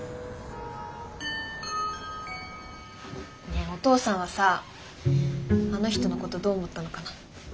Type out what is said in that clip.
ねえお父さんはさあの人のことどう思ったのかな？